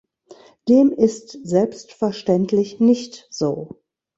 Dem ist selbstverständlich nicht so.